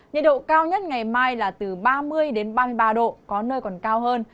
nhiệt độ cao nhất ngày mai là từ ba mươi ba mươi ba độ có nơi còn cao hơn